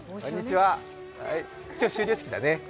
今日、修了式だね。